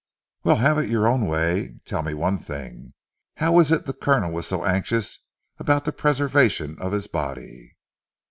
"Well. Have it your own way. Tell me one thing. How is it the Colonel was so anxious about the preservation of his body?"